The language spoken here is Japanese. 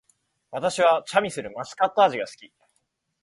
私はチャミスルマスカット味が好き